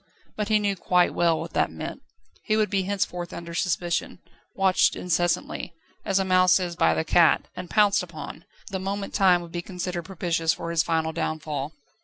But he knew quite well what that meant. He would be henceforth under suspicion, watched incessantly, as a mouse is by the cat, and pounced upon, the moment time would be considered propitious for his final downfall.